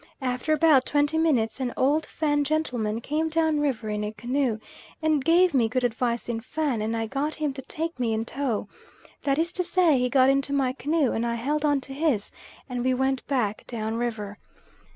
After about twenty minutes an old Fan gentleman came down river in a canoe and gave me good advice in Fan, and I got him to take me in tow that is to say, he got into my canoe and I held on to his and we went back down river.